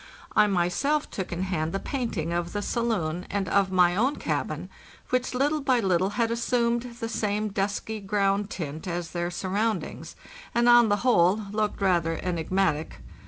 I myself took in hand the painting of the saloon and of my own cabin, which little by little had assumed the same dusky eround tint as their surroundings, and on the whole looked rather enigmatic.